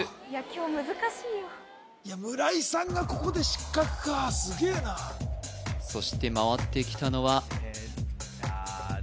今日難しいよいや村井さんがここで失格かすげえなそして回ってきたのはえっ